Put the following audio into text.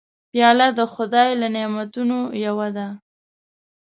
پیاله د خدای له نعمتونو یوه ده.